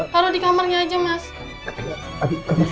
taruh di kamarnya aja mas